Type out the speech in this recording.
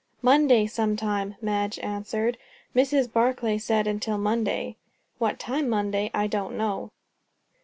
"Monday, some time," Madge answered. "Mrs. Barclay said 'until Monday.' What time Monday I don't know."